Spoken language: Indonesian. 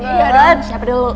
iya dong siapa deh lo